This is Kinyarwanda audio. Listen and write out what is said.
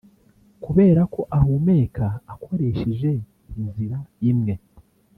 Kubera ko ahumeka akoresheje inzira imwe